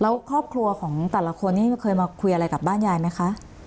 แล้วครอบครัวของแต่ละคนนี้เคยมาคุยอะไรกับบ้านยายไหมคะ